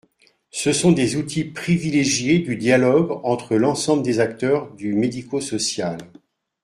Ce sont des outils privilégiés du dialogue entre l’ensemble des acteurs du médico-social.